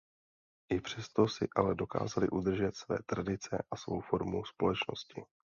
I přes to si ale dokázali udržet své tradice a svou formu společnosti.